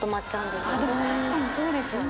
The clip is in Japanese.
でも確かにそうですよね